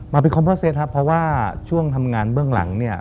มาเป็นคอมโบเซตครับเพราะว่าช่วงทำงานเบื้องหลัง